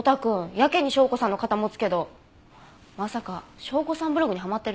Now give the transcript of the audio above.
やけに紹子さんの肩持つけどまさか紹子さんブログにはまってる？